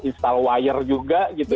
install wire juga gitu